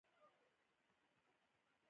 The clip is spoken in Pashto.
زه د استاد درسونه په دقت اورم.